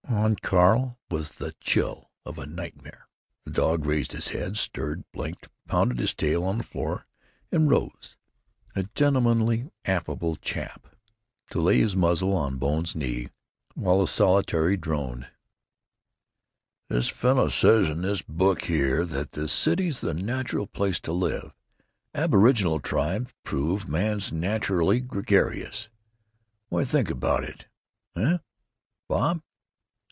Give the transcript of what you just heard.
On Carl was the chill of a nightmare. The dog raised his head, stirred, blinked, pounded his tail on the floor, and rose, a gentlemanly, affable chap, to lay his muzzle on Bone's knee while the solitary droned: "This fellow says in this book here that the city 's the natural place to live—aboriginal tribes prove man 's naturally gregarious. What d'you think about it, heh, Bob?...